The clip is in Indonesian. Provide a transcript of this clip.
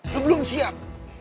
lo belum siap